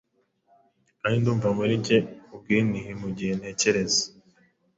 kandi ndumva muri njye ubwinhi, mugihe ntekereza